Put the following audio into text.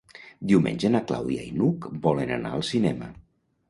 Diumenge na Clàudia i n'Hug volen anar al cinema.